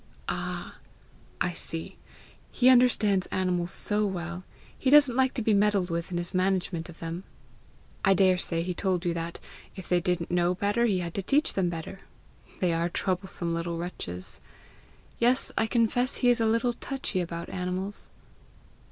"Ah I see! He understands animals so well, he doesn't like to be meddled with in his management of them. I daresay he told you that, if they didn't know better, he had to teach them better! They are troublesome little wretches. Yes, I confess he is a little touchy about animals!"